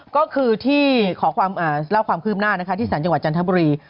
ก็คือที่ขอเล่าความคืบหน้านะคะที่สารจังหวัดจันทบุรี